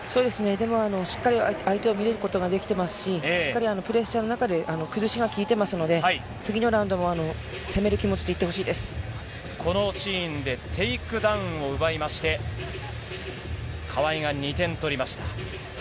でも、しっかり相手を見れることができてますし、しっかりプレッシャーの中で効いてますので、次のラウンドも、このシーンでテイクダウンを奪いまして、川井が２点取りました。